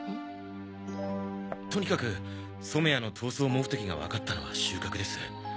とにかく染谷の逃走目的がわかったのは収穫です。